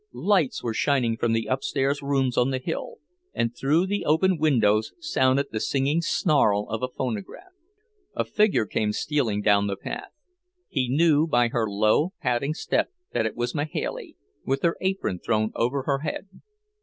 Lights were shining from the upstairs rooms on the hill, and through the open windows sounded the singing snarl of a phonograph. A figure came stealing down the path. He knew by her low, padding step that it was Mahailey, with her apron thrown over her head.